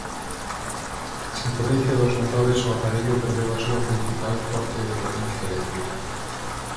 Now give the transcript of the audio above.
Sen potencia dos motores o aparello perdeu a súa principal forte de potencia eléctrica.